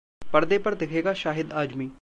परदे पर दिखेगा शाहिद आजमी